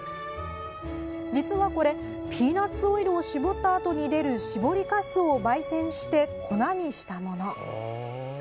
実はこれ、ピーナツオイルを搾ったあとに出る搾りかすをばい煎して粉にしたもの。